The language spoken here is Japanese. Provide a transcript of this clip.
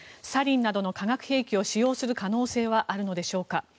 サリンなどの化学兵器を使用する可能性はあるのでしょうか。